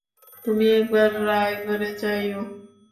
তুমি একবার রায়গড়ে যাইয়ো।